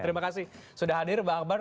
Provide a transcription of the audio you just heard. terima kasih sudah hadir pak abar